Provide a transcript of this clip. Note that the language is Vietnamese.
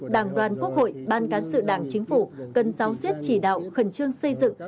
đảng đoàn quốc hội ban cán sự đảng chính phủ cần giáo diết chỉ đạo khẩn trương xây dựng